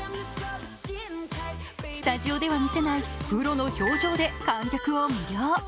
スタジオでは見せないプロの表情で観客を魅了。